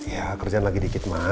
ya kerjaan lagi dikit mas